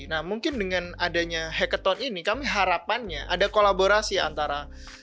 nah mungkin dengan adanya hacketon ini kami harapannya ada kolaborasi antara